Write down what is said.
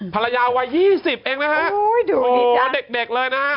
ภรรยาวัย๒๐เองนะฮะนี่พอเด็กเลยนะฮะ